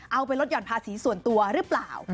เอาไปลดหย่อนภาษีส่วนตัวหรือเปล่า